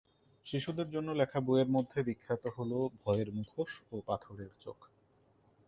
শিশুদের জন্য লেখা বইয়ের মধ্যে বিখ্যাত হল, "ভয়ের মুখোশ" ও "পাথরের চোখ"।